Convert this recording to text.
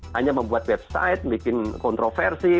hanya membuat website bikin kontroversi